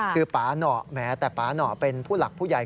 คือป๊าหน่อแม้แต่ป๊าหน่อเป็นผู้หลักผู้ใหญ่